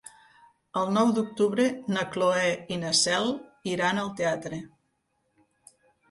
El nou d'octubre na Cloè i na Cel iran al teatre.